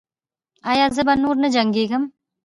ایا زه به نور نه جنګیږم؟